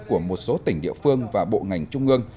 của một số tỉnh địa phương và bộ ngành trung ương